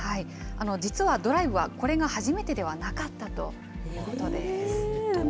実は、ドライブはこれが初めてではなかったということです。